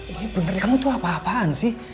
ini bener kamu tuh apa apaan sih